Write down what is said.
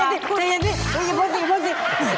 โดรสี